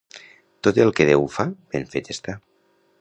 Tot el que Déu fa, ben fet està.